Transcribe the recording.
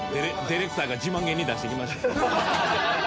ディレクターが自慢気に出してきました。